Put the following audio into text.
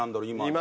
今。